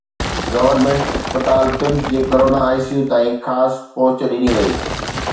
Government اسپتال PIMS جي corona ICU تائين خاص پهچ ڏني وئي.